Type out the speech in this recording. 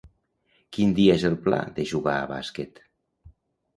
Quin dia és el pla de jugar a bàsquet?